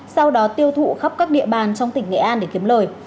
sau đó tiêu thụ khắp các địa bàn trong tỉnh nghệ an để kiếm lời